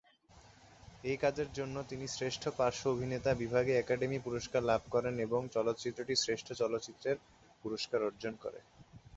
এই কাজের জন্য তিনি শ্রেষ্ঠ পার্শ্ব অভিনেতা বিভাগে একাডেমি পুরস্কার লাভ করেন এবং চলচ্চিত্রটি শ্রেষ্ঠ চলচ্চিত্রের পুরস্কার অর্জন করে।